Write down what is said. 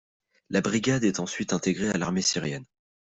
La brigade est ensuite intégrée à l'armée syrienne.